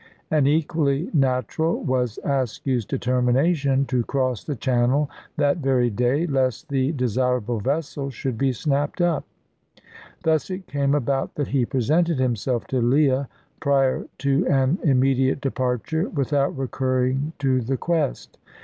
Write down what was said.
And equally natural was Askew's determination to cross the Channel that very day, lest the desirable vessel should be snapped up. Thus it came about that he presented himself to Leah, prior to an immediate departure, without recurring to the quest.